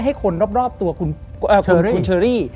ให้คนรอบตัวคุณเชอรี่